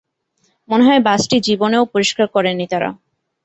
মনে হয় বাসটি জীবনেও পরিষ্কার করেনি তারা।